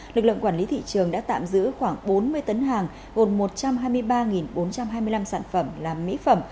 lực lượng quản lý thị trường đã tạm giữ khoảng bốn mươi tấn hàng gồm một trăm hai mươi ba bốn trăm hai mươi năm sản phẩm là mỹ phẩm